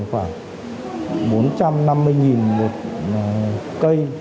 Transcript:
khoảng bốn trăm năm mươi một cây